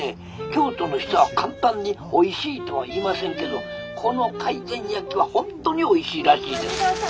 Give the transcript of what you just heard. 京都の人は簡単においしいとは言いませんけどこの回転焼きは本当においしいらしいです」。